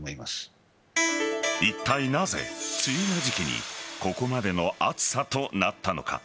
いったいなぜ、梅雨の時期にここまでの暑さとなったのか。